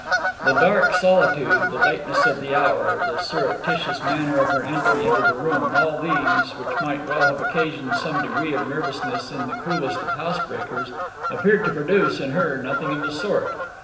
The dark solitude, the lateness of the hour, the surreptitious manner of her entry into the room, all these, which might well have occasioned some degree of nervousness in the coolest of housebreakers, appeared to produce, in her, nothing of the sort.